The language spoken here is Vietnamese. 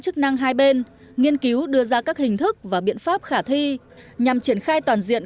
chức năng hai bên nghiên cứu đưa ra các hình thức và biện pháp khả thi nhằm triển khai toàn diện